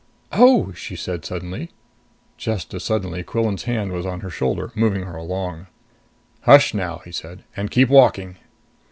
"Oh!" she said suddenly. Just as suddenly, Quillan's hand was on her shoulder, moving her along. "Hush now," he said. "And keep walking."